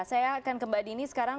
saya akan ke mbak dini sekarang